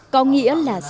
có nghĩa là rau đã chín